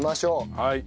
はい。